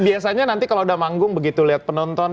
biasanya nanti kalau udah manggung begitu lihat penonton